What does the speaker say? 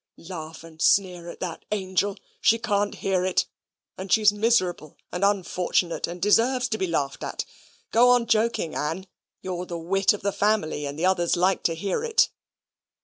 Laugh and sneer at that angel. She can't hear it; and she's miserable and unfortunate, and deserves to be laughed at. Go on joking, Ann. You're the wit of the family, and the others like to hear it."